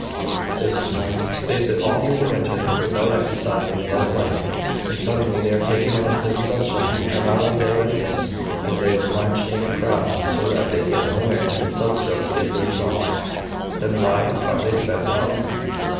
This is why: They sit all through the winter without exercise and without light, and suddenly they are taken out into the sunshine, and on a day like this, and they march in a crowd so that they get no air, and sunstroke is the result." "Then why are they sent out?"